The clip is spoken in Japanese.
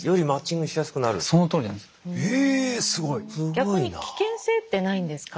逆に危険性ってないんですか？